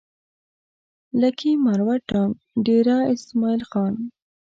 لکي مروت ټانک ډېره اسماعيل خان